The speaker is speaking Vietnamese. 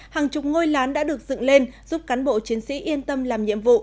hàng chục ngôi lán đã được dựng lên giúp cán bộ chiến sĩ yên tâm làm nhiệm vụ